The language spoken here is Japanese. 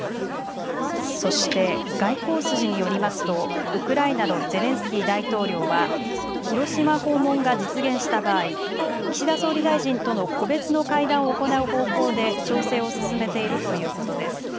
そして外交筋によりますとウクライナのゼレンスキー大統領は広島訪問が実現した場合、岸田総理大臣との個別の会談を行う方向で調整を進めているということです。